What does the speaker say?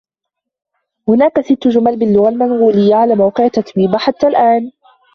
هناك ست جمل باللغة المنغولية على موقع تتويبا حتى الآن.